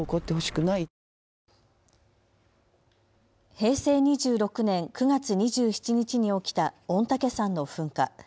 平成２６年９月２７日に起きた御嶽山の噴火。